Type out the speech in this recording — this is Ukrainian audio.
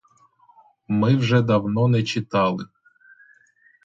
Ми вже давно не читали.